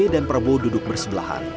dan prabowo duduk bersebelahan